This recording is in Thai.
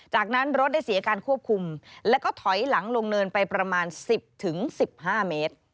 จากนั้นรถได้เสียการควบคุมแล้วก็ถอยหลังลงเนินไปประมาณ๑๐๑๕เมตร